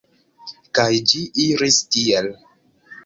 Kaj ĝi iris tiel.